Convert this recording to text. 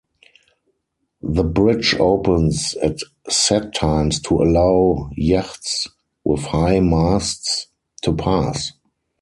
The bridge opens at set times to allow yachts with high masts to pass.